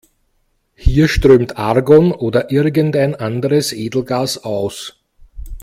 Hier strömt Argon oder irgendein anderes Edelgas aus.